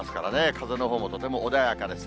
風のほうもとても穏やかです。